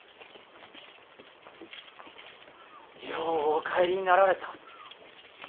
ようお帰りになられた。